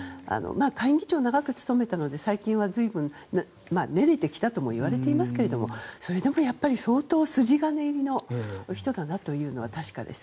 下院議長を長く務めてきたので最近は随分、練れてきたとも言われていますけれどもそれでもやっぱり相当筋金入りの人だなというのは確かです。